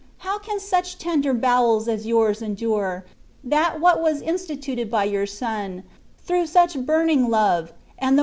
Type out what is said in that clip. how can such tendet bow^ ria Yours endure, that what was instituted by Your* Son, through «uch burning love, and th«.